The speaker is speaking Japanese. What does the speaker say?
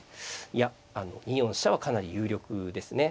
いやあの２四飛車はかなり有力ですね。